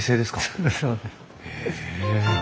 そうですそうです。